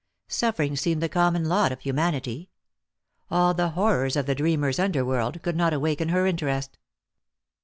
Suffer ing seemed the common lot of humanity. All the horrors of the dreamer's underworld could not awaken her interest.